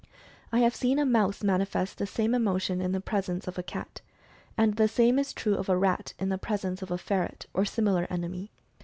I have seen a mouse manifest the same emotion in the presence of a cat ; and the same is true of a rat in the presence of a ferret, or similar enemy.